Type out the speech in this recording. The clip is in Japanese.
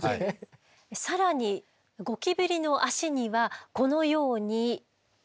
更にゴキブリの足にはこのように。